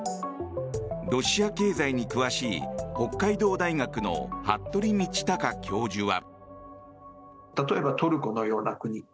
ロシア経済に詳しい北海道大学の服部倫卓教授は。